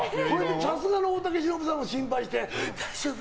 さすがの大竹しのぶさんも心配して大丈夫？